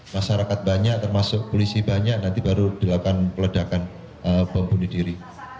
masyarakat banyak termasuk polisi banyak nanti baru dilakukan peledakan bom bunuh diri